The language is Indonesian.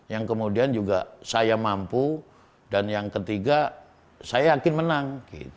yang kemudian juga saya mampu dan yang ketiga saya yakin menang